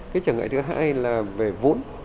cái trả ngại thứ hai là về vốn